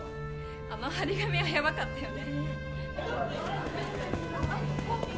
・あの張り紙はやばかったよね